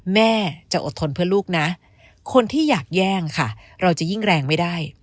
แม่จะอดทนเพื่อลูกนะคนที่อยากแย่งค่ะเราจะยิ่งแรงไม่ได้